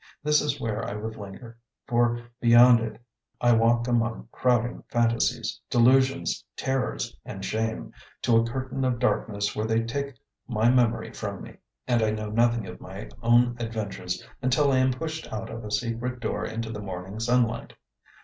This is where I would linger, for beyond it I walk among crowding fantasies, delusions, terrors and shame, to a curtain of darkness where they take my memory from me, and I know nothing of my own adventures until I am pushed out of a secret door into the morning sunlight.